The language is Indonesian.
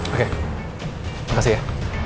oke makasih ya